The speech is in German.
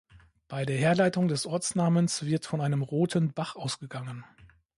Bei der Herleitung des Ortsnamens wird von einem roten Bach ausgegangen.